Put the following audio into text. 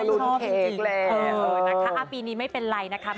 เท่าแบบเพลงนี้เขารุ่นเค้กเลย